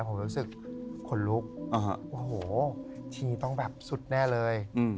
ผมรู้สึกขนลุกโอ้โหทีต้องแบบสุดแน่เลย